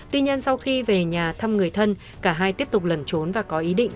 tuy nhiên sau khi về nhà thăm người thân cả hai tiếp tục lẩn trốn và có ý định